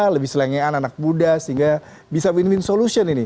lebih selengean anak muda sehingga bisa win win solution ini